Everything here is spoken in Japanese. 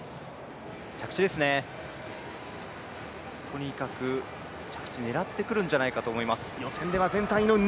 着地ですね、とにかく着地狙ってくるんじゃないかと思います。